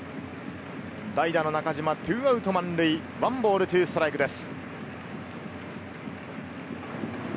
代打の中島、２アウト満塁１ボール２ストライクです。